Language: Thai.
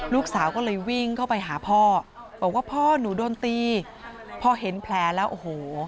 ลูกสาวก็เลยวิ่งเข้าไปหาพ่อบอกว่าพ่อหนูโดนตีพอเห็นแผลแล้วโอ้โห